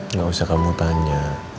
nggak usah kamu tanya